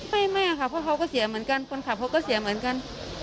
ไม่ค่ะเพราะเขาก็เสียเหมือนกันคนขับเขาก็เสียเหมือนกัน